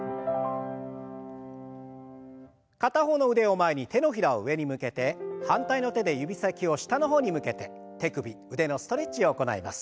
片方の腕を前に手のひらを上に向けて反対の手で指先を下の方に向けて手首腕のストレッチを行います。